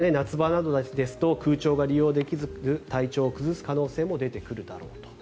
これ以降の夏場などですと空調が利用できず体調を崩す可能性も出てくるだろうと。